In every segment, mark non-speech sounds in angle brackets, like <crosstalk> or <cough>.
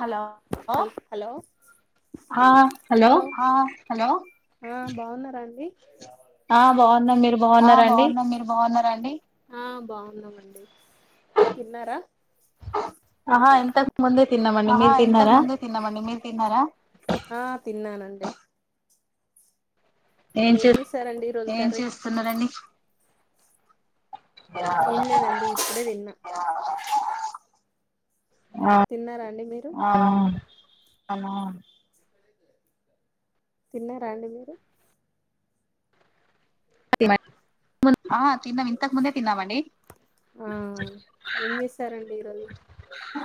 Hello. Hello. Hello ఆ hello ఆ బాగున్నారా అండి. ఆ బాగున్నాం మీరు బాగున్నరండి. రండి ఆ బాగున్నామండి తిన్నారా. ఆహా ఎంత. ఆహా ఇంతకముందే తిన్నామండి మీరు తిన్నారా ఆ తిన్నానండి. ఏం చేశారాండి. ఏం చేస్తున్నారండి ఏం లేదండి ఇప్పుడే తిన్నా తిన్నారా అండి మీరు అనాన్ తిన్నారా అండి మీరు <inaudible> ఆ తిన్నం ఇంతకుముందే తిన్నామండి ఆ ఏం చేసారండి ఈరోజు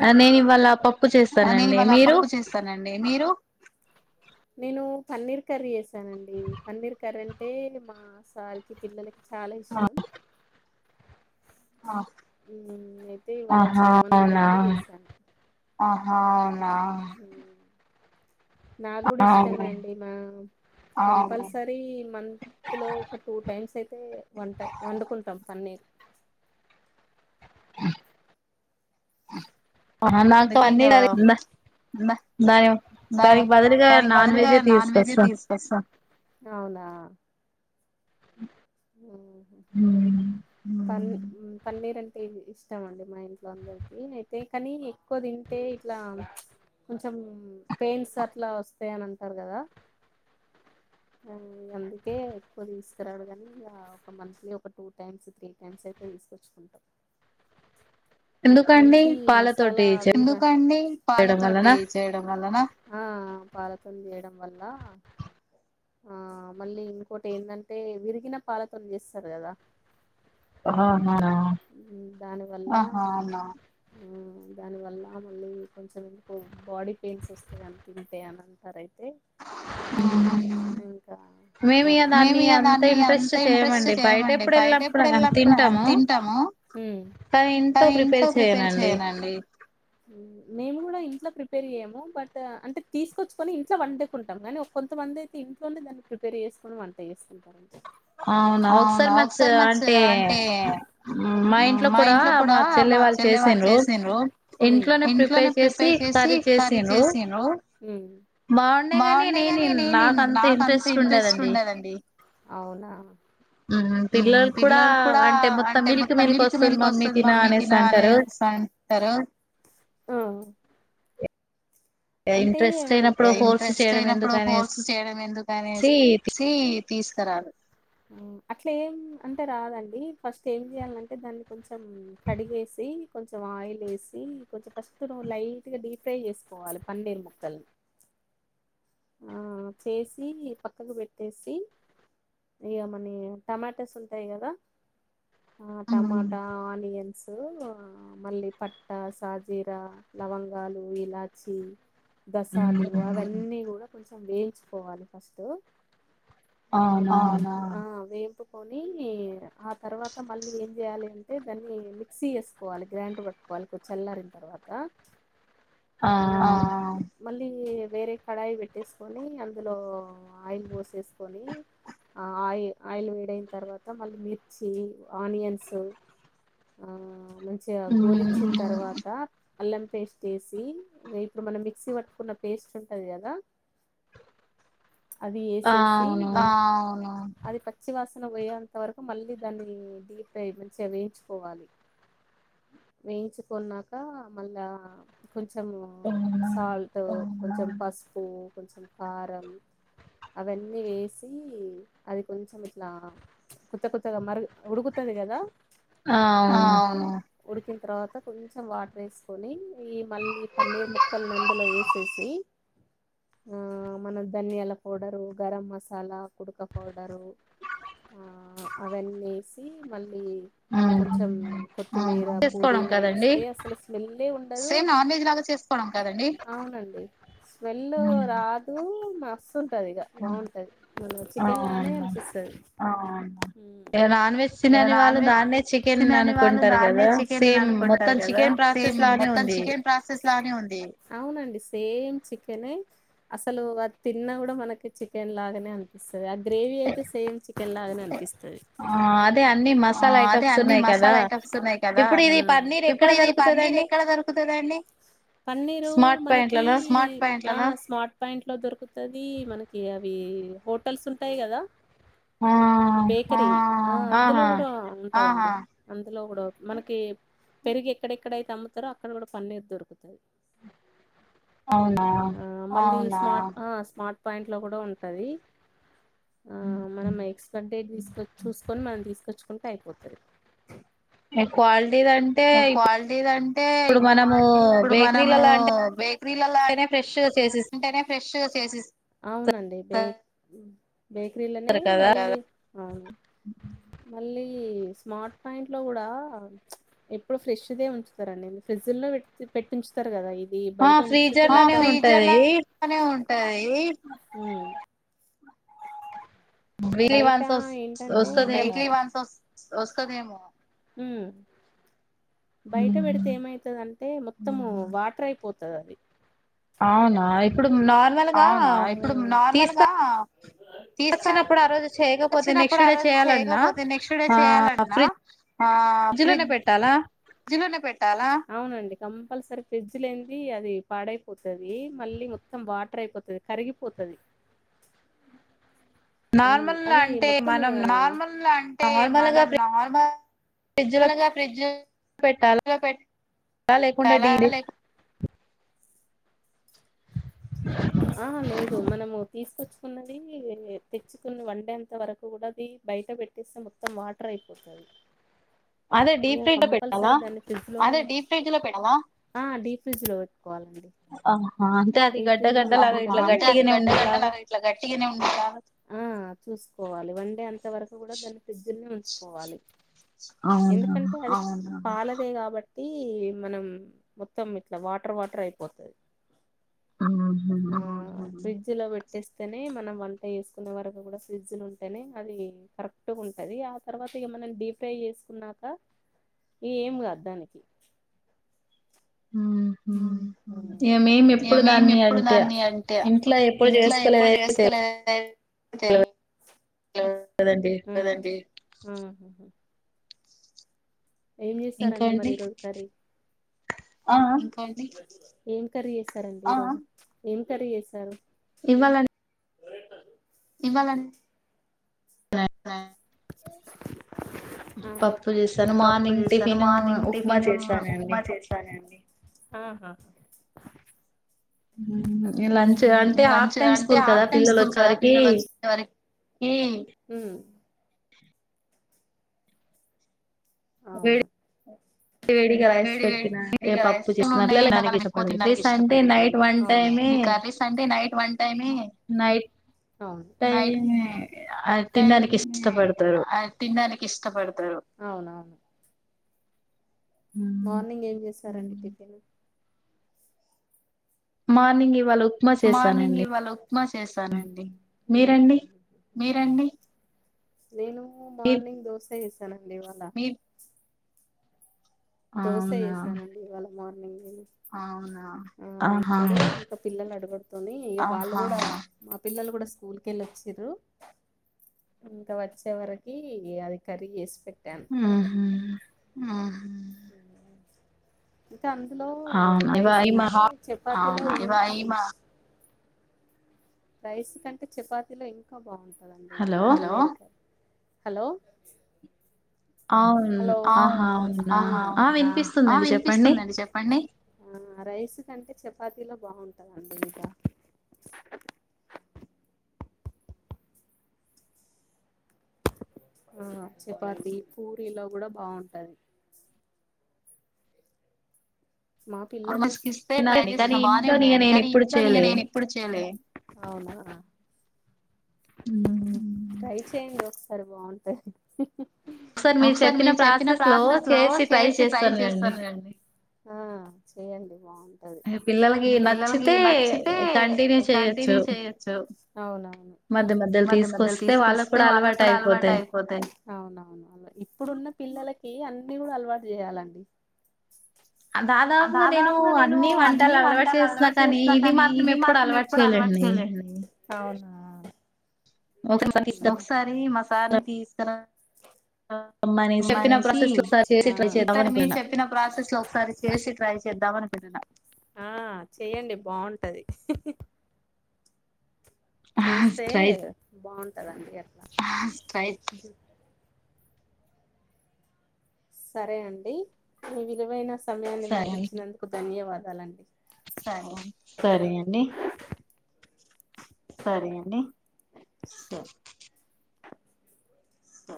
ఆ నేను ఇవ్వాళ నేనివ్వాలా పప్పు చేశానండి మీరు నేను పన్నీర్ కర్రీ చేసానండి పన్నీర్ కర్రీ అంటే మా సార్ కి పిల్లలకి చాలా ఇష్టం ఆ తే ఇవాళ చేయమన్నారు అయితే చేశాను. ఆహా అవునా. నాకు కూడా ఇష్టమే అండి మా కంపల్సరీ మంత్ లో ఒక టూ టైమ్స్ అయితే వంట వండుకుంటాం పన్నీర్. నాకు అన్నీ దానికి బదులుగా నాన్ వెజ్జే తీసుకొస్తాం అవునా ఊహూ పని ఉమ్ పన్నీర్ అంటే ఇష్టం అండి మా ఇంట్లో అందరికీ అయితే కానీ క్కువ తింటే ఇట్లా కొంచెం పెయిన్స్ అట్లా వస్తాయని అంటారు గదా ఆ ఇగ అందుకే ఎక్కువ తీసుకరాడు గానీ ఇగా ఒక మంత్లీ ఒక టూ టైమ్స్ త్రీ టైమ్స్ అయితే తీసుకొచ్చుకుంటాం. మంచి మసాలా <inaudible> ఆ పాలతోని చేయడం వల్ల ఆ మళ్ళీ ఇంకోటి ఏందంటే విరిగిన పాలతోని చేస్తరు కదా <unintelligible> ఊ దాని వల్ల మళ్ళీ కొంచెం ఎందుకో బాడీ పెయిన్స్ వస్తాయని తింటే అని అంటారు అయితే <inaudible> మేము ఇగ దాన్ని అంత ఇంట్రెస్ట్ తో చేయమండి బయటెప్పుడు వెళ్ళినప్పుడు తింటాము కానీ ఇంట్లో ప్రిపేర్ చెయనండి ఉమ్మ్ మేము కూడా ఇంట్లో ప్రిపేర్ చెయ్యము బట్ అంటే తీసుకొచ్చుకొని ఇంట్లో వండుకుంటాం కానీ కొంతమంది ఐ తే ఇంట్లోనే దాన్ని ప్రిపేర్ చేసుకుని వంట చేసుకుంటార <inaudible> అవునా ఒకసారి మా చె అంటే మా ఇంట్లో కూడా మా చెల్లె వాళ్ళు చేసిన్రు ఇంట్లోనే ప్రిపేర్ చేసి కర్రీ చేసిన్రు బాగుండే గానీ నేనిన్ నాకం నాకంత ఇంట్రెస్ట్ ఉండదండి ఆ ఉమ్ అంటే తిసుక రారు కొంచెం కడిగేసి కొంచెం ఆయిల్ ఏసీ కొంచెం ఫస్ట్ నువ్వు లైట్ గా డీప్ ఫ్రై చేసుకోవాలె పన్నీర్ ముక్కల్ని ఆ చేసీ పక్కకు పెట్టేసి ఇగ మన టమాటాస్ ఉంటాయి కదా టమాటా, ఆనియన్సు ఆ మళ్ళీ పట్టా, సాజీరా, లవంగాలు, ఇలాచీ గసాలూ అవన్నీ కూడ కొంచెం వేయించుకోవాలి ఫస్టు అవునా కొనీ ఆ తర్వాత మళ్ళీ ఏం చేయాలి అంటే దాన్ని మిక్సీ చేసుకోవాలి గ్రైండర్ పట్టుకోవాలి కొద్ది చల్లారిన తర్వాత ఆ ఆ మళ్ళీ వేరే కడాయి పెట్టేసుకొనీ అందులో ఆయిల్ పోసేసుకొనీ ఆ ఆయి ఆయిల్ వేడైన్ తర్వాత మళ్ళీ మిర్చీ, ఆనియన్సూ ఆ మంచిగా గోలిచ్చిన్ తర్వాతా అల్లం పేస్ట్ ఏసీ ఇప్ ఇప్పుడు మనం మిక్సీ పట్టుకున్న పేస్ట్ ఉంటది కదా అది వేసేసి అది పచ్చివాసన పోయేంత వరకు మళ్ళీ దాన్ని డీప్ ఫై మంచిగా వేయించుకోవాలి వేయించుకున్నాక మళ్ళా కొంచం అల్ తూ కొంచెం పసుపు కొంచెం కారం అవన్నీ వేసి అది కొంచెం ఇట్లా కుత్త కుత్తగా మరు ఉడుకుతంది కదా ఆ అవును ఉడికిన తర్వాత కొంచెం వాటర్ వేసుకొని ఈ మళ్ళీ పన్నీర్ ముక్కల్ని అందులో వేసేసి ఆ మనం ధన్యాల పౌడరు గరం మసాలా కుదుక పౌడరు ఆ అవ్వని వేసి మళ్ళీ కొంచం కొత్తిమీర పోదినా వేస్తే అసలు స్మెల్ ఉ సేమ్ నాన్ వెజ్ లాగా చేస్తే పోనం కదండి స్మెల్ రాదు మస్తుంటది ఇక బాగుంటది మ చికెన్ లానే అనిపిస్తది ఆ ఇగ నాన్ వెజ్ తినని వాళ్ళు దాన్నే చికెన్ అనుకుంటారు కదా సేమ్ మొత్తం చికెన్ ప్రాసెస్ లానే ఉంది అవునండి సేమ్ చికెనే అసలు అది తిన్నా కూడా మనకి చికెన్ లాగానే అనిపిస్ ఆ గ్రేవీ అయితే సేమ్ చిక చికెన్ లాగానే అనిపిస్ స్తది ఆ అదే అన్ని మసాలా ఐటమ్స్ ఉన్నాయి కదా ఆ ఇప్పుడు ఇది పన్నీర్ ఎక్కడ దొరుకుతుందండి పన్నీరు మనకీ స్మార్ట్ పాయింట్ లో ఆ స్మార్ట్ పాయింట్ లో దొరుకుతది మనకి ఇగ ఇవి హోటల్స్ ఉంటాయి కదా బేకరీ అందులో కూడా ఉంటాయి ఆహా అందులో కూడా మనకి పెరిగి ఎక్కడెక్కడయితే అమ్ముతారో అక్కడ కూడా పన్న దొరుకుతది అవునా స్మార్ట్ ఆ స్మార్ట్ పాయింట్ లో కూడా ఉంటది ఆ మన ఎక్స్పైరీ డేట్ తీసుకొని చూసుకొని మనం తీసుకచ్చుకు అయిపోతది క్వాలిటీది అంటే ఇప్పుడు మనము బేక్ మనము బేకరీలలా అంటేనే ఫ్రెష్గా చేసి అవునండి <unintelligible> బేకరీలోనే మళ్ళీ అవును మళ్ళీ స్మార్ట్ ఫైంట్ లో కూడా ఎప్పుడు ఫ్రెష్దే ఉంచుతారండి ఫ్రిడ్జ లో పెడ్తే పెట్ పెంచుతారు కదా <unintelligible> ది బయట ఉంచితే మొత్తం ట ఈ ఉమ్ బయట ఏంటంటే వస్తదేమో ఉమ్ బయట పెడితే ఏమైతుందం అంటే మొత్తము వాటర్ అయిపోతది అది అవునా ఇప్పుడు అవునా ఇప్పుడు నార్మల్గా తీసుక వచ్చినప్పుడు ఆ రోజు చేయకపోతే నెక్స్ట్ డే చేయాలన్నా ఆ ఫ్రిజ్ ఫ్రిడ్జ్ లోనే పెట్టాలా అవునండి కంపల్సరీ ఫ్రిడ్జ్ లేనిది అది పాడైపోతది మళ్ళీ మొత్తం వాటర్ అయిపోతది కరిగిపోతది అం అది మొత్తం ఇగ అది నార్మల్ అంటే మనం నార్మల్ అలాగా ఫ్రిడ్జ్ <unintelligible> పెట్ అ లేకుండా డీ అహ లేద్ మనము తీసుకొచ్చుకున్నది తెచ్చుకుని వన్డే అంత వరకు కూడా అది బయట పెట్టేస్తే మొత్తం వాటర్ అయిపోతది ఏయ కంపల్సరి దాన్ని ఫ్రిజ్ లో డీప్ ఫ్రిడ్జ్ లో ఆ డీప్ ఫ్రిడ్జ్ లో పె ఆహా అంతే అది గ డీప్ ఫ్రిడ్జ్ ల పెట్టుకుంటానే అహ అంతే అది గడ్డ గడ్డలాగా ఇట్లా గట్టిగానే ఉండేలాగా ఆ ఆ చూసుకోవాలి వండె అ ంత వరకు కూడా దాన్ని ఫ్రిడ్జి ల్నే ఉం కోవాలి ఎందుకంటే అది పాల త్తాయ్ కాబట్టి మనం మొత్తం ఇట్లా వాటర్ వాటర్ అయిపోతది ఆ ఫ్రిడ్జ్ ఫ్రిడ్జిలో పెట్టేస్తేనే మనం వంట చేసుకున్న వరకు కూడా ఫ్రిడ్జ్లు ఉంటేనే అది కరెక్ట్గా ఉంటది ఆ తర్వాత ఇక మనం డీప్ ఫ్రై చేసుకున్నాక ఇగ ఏం కాదు దానికి ఉహు ఇగ మేమి ఎప్పుడు దాన్ని అంటే ఇంట్లో ఎప్పుడు చేసుకోలేదు తెవలేదండి ఏం చేస్తారండి మరి ఈరోజు కర్రీ ఇంకా అండి ఏం కర్రీ చేసారండి ఏం కర్రీ చేసారు ఇవ్వాలం ఇవ్వాల ఆ పప్పు చేస్తాను మార్నింగ్ టిఫిన్ ఉప్మా చేశానండి ఆహా లంచ్ అంటే హాఫ్ టైమ్ స్కూల్ కదా పిల్లలు వచ్చే వరకి కి హ్మ్ వేడి వేడిగా రైస్ పెట్టిన పప్పు చేస్తున తినడానికి ఇష్టపడరు రైస్ అంటే నైట్ వన్ టైమే నైట్ టైమే తినడనికి ఇష్టపడతారు అవునవును మార్నింగ్ ఏం చేస్ సారండీ టిఫిన్ మార్నింగ్ ఇవాళ ఉ మార్నింగ్ ఇవాళ ఉప్మా చేసానండి మీర్ రండి నేను మార్నింగ్ దోస చేశా నండి ఇవళ మీర్ దోస ఎసానండి ఇవాళ మార్నింగే ఆ ఇప్పుడు ఇంకా పిల్లలు అడగరు ని వాళ్ళు కూడా మా పిల్లలు కూడా స్కూల్క వెళ్ళి వచ్చిరు ఇంకా వచ్చే వరకి అది కర్రీ చేసి పెట్ టెన్ అందులో రైస్ కంటే చపాతీ రైస్ కంటే చపాతీలో ఇంకా బాగుం హలో అండి హలో అవును ఆహా అవునా ఆ వినిపిస్తుందండి చెప్పండి ఆ రైస్ కంటే చపాతీలో బాగుంటందండి ఇంకా ఆ చపాతీ ఈ పూరిలో కూడా బాగుంటది మా పిల్లలు ఇస్తే ట్రై చేసినా బానే ఉండేయండి కానీ ఇంట్లో నేను ఎప్పుడు చెయలే ఆ హ్మ్ రైస్ చే ఒకసారి బాగుంటాయి ఒకసారి మీరు చెప్పిన ప్రాసెస్ లో చేసి ట్రై చేస్తాన్ లెండి ఆ చేయండి బాగుంటది పిల్లలకి నచ్చితే కంటిన్యూ చేయొచ్చు మధ్య మధ్యలో తీసుకొస్తే వాళ్ళకు కూడా అలవాట అయిపోతాయి ఈ అన్ని కూడా అలవాటు చేయాలండి దాదాపుగా నేను అన్ని వంటలు అలవాటు చేసిన కానీ ఇది మాత్రం ఎప్పుడు అలవాటు చేయలేండి అవునా ఒకసారి మాసారిని తీసుకురా మనేసి ఇద్దరు మీ చెప్పిన ప్రాసెస్ లో ఒకసారి చేసి ట్రై చేద్దామని పెట్టినా చేస్తే బాగుం కదండీ అట్ల సరే అండి మీ విలువైన స సమయాన్ని మాకు ఇచ్చినందుకు ధన్యవా వలండి సరే అండి సరే అండి స స